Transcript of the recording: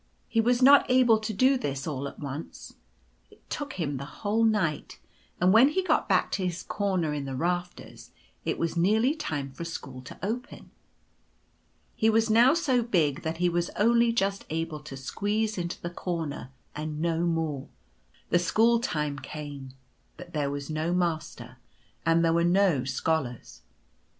He was not able to do this all at once. It took him the whole night, and when he got back to his corner in the rafters it was nearly time for school to open. He was now so big that he was only just able to squeeze into the corner and no more. The school time came, but there was no Master, and there were no Scholars.